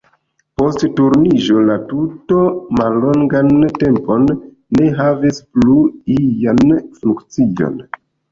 Post Turniĝo la tuto mallongan tempon ne havis plu ian funkcion.